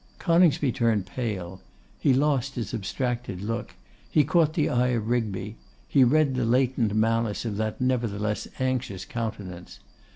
Coningsby turned pale; he lost his abstracted look; he caught the eye of Rigby; he read the latent malice of that nevertheless anxious countenance.